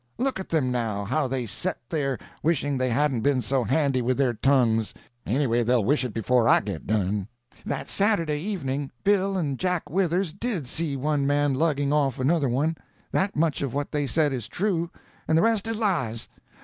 Look at them now—how they set there, wishing they hadn't been so handy with their tongues; anyway, they'll wish it before I get done. "That same Saturday evening Bill and Jack Withers did see one man lugging off another one. That much of what they said is true, and the rest is lies.